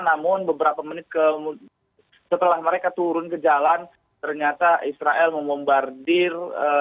namun beberapa menit setelah mereka turun ke jalan ternyata israel memombardir